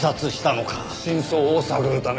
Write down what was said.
真相を探るため。